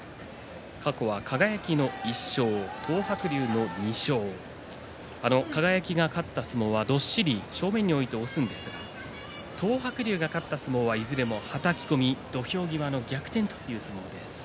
過去は輝の１勝、東白龍の２勝輝が勝った相撲はどっしり正面に置いて押すんですが東白龍が勝った相撲は、いずれもはたき込み土俵際の逆転